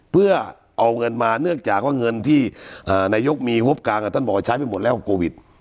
เพื่อเอาเงินมาเนื่องจากว่าเงินที่นายกมีงบกลางท่านบอกว่าใช้ไปหมดแล้วโควิด